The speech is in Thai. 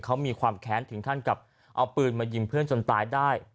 เขามีความแค้นถึงขั้นกับเอาปืนมายิงเพื่อนจนตายได้